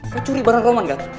kamu curi barang roman gak